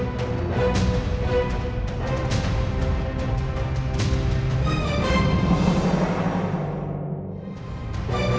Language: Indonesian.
kej exempel sekarang